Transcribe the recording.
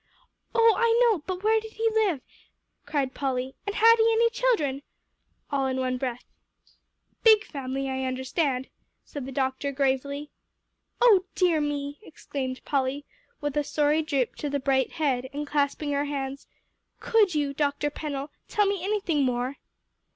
"Oh, I know but where did he live?" cried Polly, "and had he any children?" all in one breath. "A big family, I understand," said the doctor gravely. "Oh dear me!" exclaimed Polly with a sorry droop to the bright head, and clasping her hands, "could you, Dr. Pennell, tell me anything more?"